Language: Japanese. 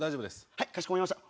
はいかしこまりました。